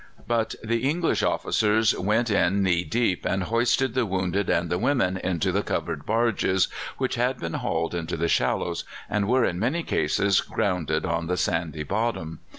"But the English officers went in knee deep and hoisted the wounded and the women into the covered barges, which had been hauled into the shallows, and were in many cases grounded on the sandy bottom.